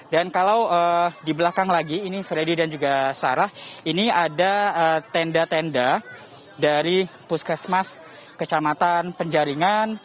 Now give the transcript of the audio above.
dan kalau di belakang lagi ini freddy dan juga sarah ini ada tenda tenda dari puskesmas kecamatan penjaringan